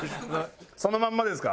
そのまんまですか？